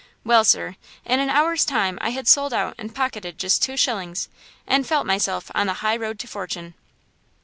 Well, sir, in an hour's time I had sold out and pocketed just two shillings, and felt myself on the highroad to fortune!"